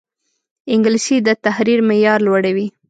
انګلیسي د تحریر معیار لوړوي